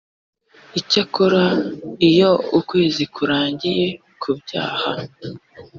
icyakora iyo ukwezi kurangiye ku byaha